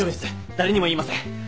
誰にも言いません。